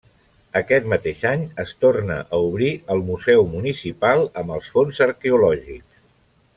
Aquest mateix any es torna a obrir el Museu Municipal amb els fons arqueològics.